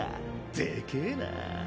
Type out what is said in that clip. でけぇな。